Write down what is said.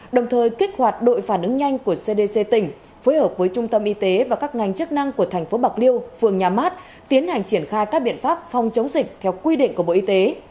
đồng thời kích hoạt đội phản ứng nhanh của cdc tỉnh phối hợp với trung tâm y tế và các ngành chức năng của thành phố bạc liêu phường nhà mát tiến hành triển khai các biện pháp phòng chống dịch theo quy định của bộ y tế